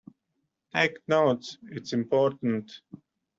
Take notes; this is important.